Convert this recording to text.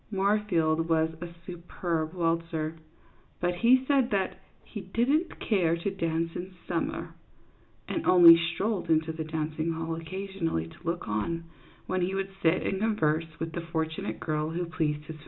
Moorfield was a su perb waltzer ; but he said that " he did n't care to dance in summer, " and only strolled into the danc ing hall occasionally to look on, when he would sit and converse with the fortunate girl who pleased his CLYDE MOORFIELD, YACHTSMAN.